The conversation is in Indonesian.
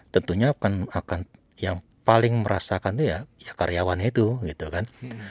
tentunya akan yang paling merasakan itu ya karyawan itu gitu kan